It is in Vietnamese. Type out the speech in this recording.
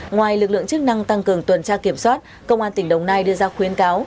ngoài lực lượng chức năng tăng cường tuần tra kiểm soát công an tỉnh đồng nai đưa ra khuyến cáo